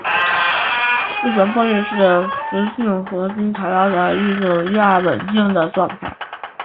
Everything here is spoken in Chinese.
自旋玻璃是磁性合金材料的一种亚稳定的状态。